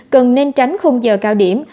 cần nên tránh khung giờ cao điểm